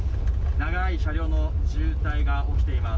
長い車両の渋滞が起きています。